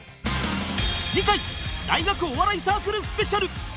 次回大学お笑いサークルスペシャル